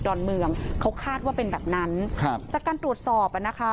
ดอนเมืองเขาคาดว่าเป็นแบบนั้นครับค่ะโดยการตรวจสอบ